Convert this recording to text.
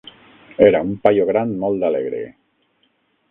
Era un paio gran molt alegre.